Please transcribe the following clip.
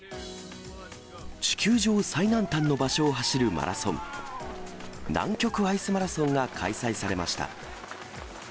地球上最南端の場所を走るマラソン、南極アイスマラソンが開催されました。